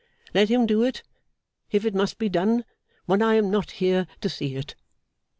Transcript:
Let him do it, if it must be done, when I am not here to see it.